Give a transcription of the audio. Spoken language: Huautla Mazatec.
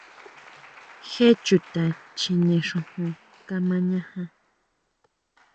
¿Jé chuta chjine xujun kamañajan?